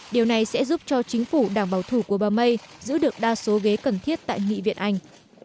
điều này sẽ giúp cho chính phủ đảng bảo thủ của bà may giữ được đa số ghế cần thiết tại nghị viện anh